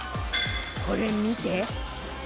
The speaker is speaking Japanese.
これ見て